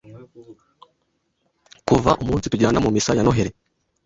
Kuva umunsi tujyana mu misa ya Noheli,